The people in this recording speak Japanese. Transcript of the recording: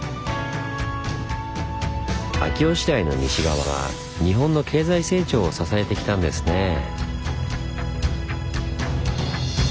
秋吉台の西側は日本の経済成長を支えてきたんですねぇ。